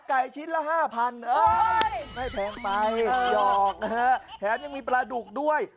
ไก่ชิ้นละ๕๐๐๐บาทไม่แพงไหมหยอกแถมยังมีปลาดุกด้วย